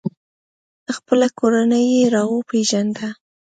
خپله کورنۍ یې را وپیژنده.